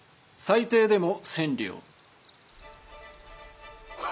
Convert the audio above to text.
最低でも千両。